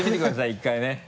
１回ね。